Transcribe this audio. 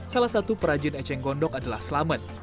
salah satu perajin eceng gondok adalah selamet